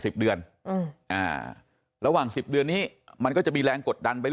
รวม๑๐เดือนแล้วในรอบนี้ก็จะมีแรงกดดันไป